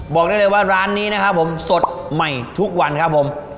บอกได้เลยว่าร้านนี้นะครับผมสดใหม่ทุกวันครับผม